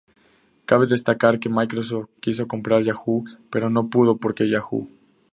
Cabe destacar que Microsoft quiso comprar Yahoo!, pero no pudo porque Yahoo!